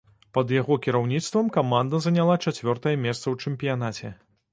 Пад яго кіраўніцтвам каманда заняла чацвёртае месца ў чэмпіянаце.